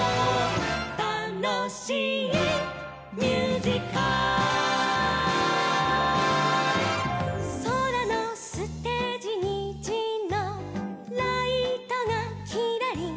「たのしいミュージカル」「そらのステージにじのライトがきらりん」